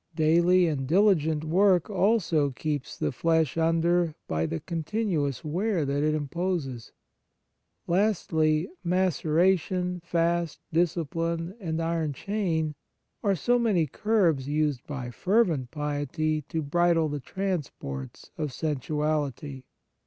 Daily and diligent work also keeps the flesh under by the con tinuous wear that it imposes. Lastly, maceration, fast, discipline, and iron chain, are so many curbs used by fervent piety to bridle the transports of sensuality.